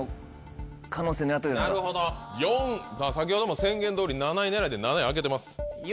先ほども宣言どおり７位狙いで７位開けてます。